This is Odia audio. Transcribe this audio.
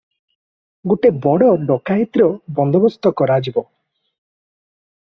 ଗୋଟାଏ ବଡ଼ ଡକାଏତିର ବନ୍ଦୋବସ୍ତ କରାଯିବ ।